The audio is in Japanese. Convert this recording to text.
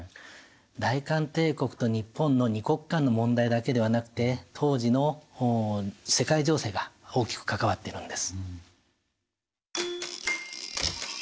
大韓帝国と日本の二国間の問題だけではなくて当時の世界情勢が大きく関わってるんです。